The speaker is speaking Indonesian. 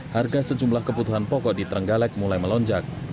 harga sejumlah kebutuhan pokok di trenggalek mulai melonjak